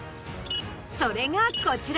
それがこちら。